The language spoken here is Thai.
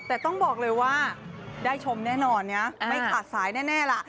แต่ต้องบอกเลยว่าได้ชมแน่นอนนะไม่ขาดสายแน่ล่ะ